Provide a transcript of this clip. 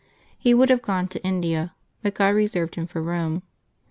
He would have gone to India, but God reserved him for Eome.